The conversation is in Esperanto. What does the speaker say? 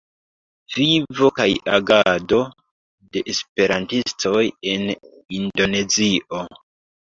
Vivo kaj agado de esperantistoj en Indonezio".